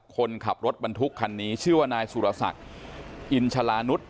คนขับรถบรรทุกคันนี้ชื่อว่านายสุรศักดิ์อินชลานุษย